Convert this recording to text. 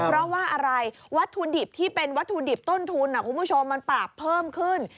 เพราะว่าอะไรวัตถุดิบที่เป็นวัตถุดิบต้นทุนคุณผู้ชมมันปรับเพิ่มขึ้น